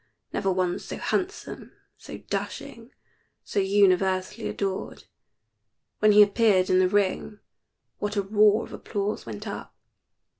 Never one so handsome, so dashing, so universally adored. When he appeared in the ring, what a roar of applause went up.